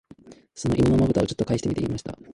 その犬の眼ぶたを、ちょっとかえしてみて言いました